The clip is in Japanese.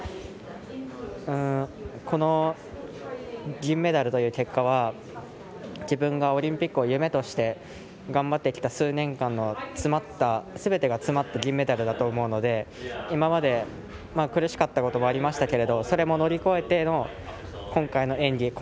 この銀メダルという結果は自分がオリンピックを夢として頑張ってきた数年間のすべてが詰まった銀メダルだと思うので今まで、苦しかったこともありましたけれどそれも乗り越えての今回の演技